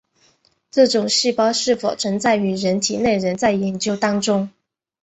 该种细胞是否存在于人体内仍在研究当中。